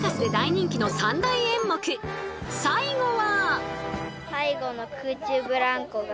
最後は。